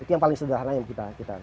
itu yang paling sederhana yang kita